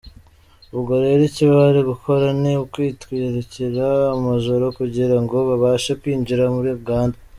Ubwo rero icyo bari gukora ni ukwitwikira amajoro kugira ngo babashe kwinjira muri Uganda.